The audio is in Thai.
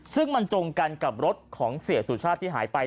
ซึ่งมันตรงกันกับรถของเสียสุชาติที่หายไป